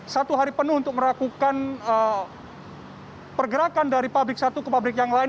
satu hari penuh untuk melakukan pergerakan dari pabrik satu ke pabrik yang lain